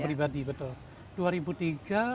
mengubah peruntungan pribadi betul